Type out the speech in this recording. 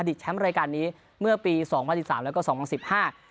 แชมป์รายการนี้เมื่อปีสองพันสิบสามแล้วก็สองพันสิบห้า